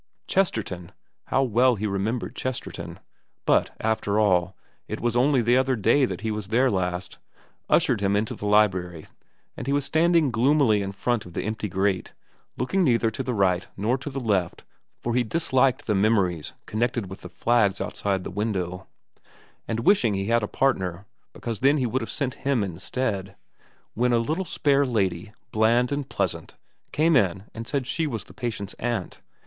Chesterton how well he remembered Chesterton ; but after all, it was only the other day that he was there last ushered him into the library, and he was standing gloomily in front of the empty grate, looking neither to the right nor to the left for he disliked the memories connected with the flags outside the window, and wishing he had a partner because then he would have sent him instead, when a spare little lady, bland and pleasant, came in and said she was the patient's aunt.